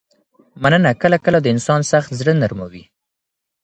مننه کله کله د انسان سخت زړه نرموي.